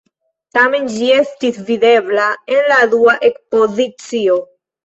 Tamen ĝi estis videbla en la dua ekspozicio.